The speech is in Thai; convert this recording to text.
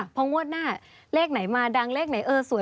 พองวดหน้าเลขไหนมาดังเลขไหนเออสวย